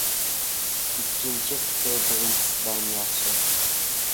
• Ikkinchi fikr birinchisidan yaxshi.